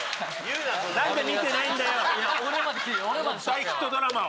大ヒットドラマを！